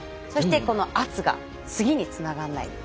そして、圧が次につながらない。